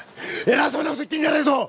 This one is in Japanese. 偉そうなこと言ってんじゃねえぞ！